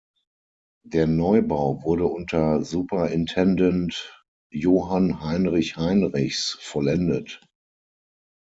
Der Neubau wurde unter Superintendent Johann Heinrich Heinrichs vollendet.